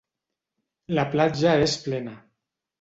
La platja és plena.